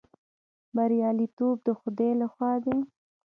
بریالیتوب د خدای لخوا دی